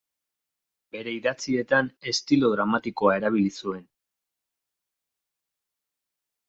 Bere idatzietan estilo dramatikoa erabili zuen.